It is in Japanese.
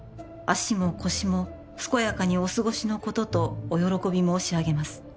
「足も腰も健やかにお過ごしのこととお喜び申し上げます」